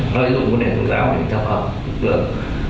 nơi dụng vấn đề tôn giáo để tập hợp lực lượng